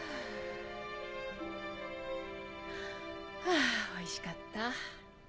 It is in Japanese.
あぁおいしかった。